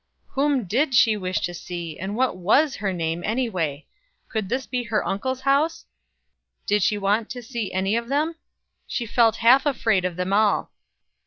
"Whom did she wish to see, and what was her name, anyway. Could this be her uncle's house? Did she want to see any of them?" She felt half afraid of them all.